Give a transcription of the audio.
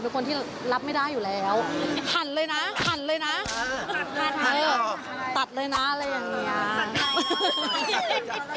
เป็นคนที่รับไม่ได้อยู่แล้วหันเลยนะหันเลยนะหันตัดเลยนะอะไรอย่างนี้